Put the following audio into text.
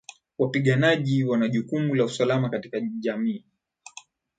Wapiganaji wana jukumu la usalama katika jamii